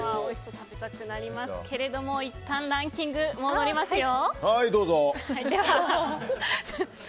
食べたくなりますけどもいったんランキング戻りますよ。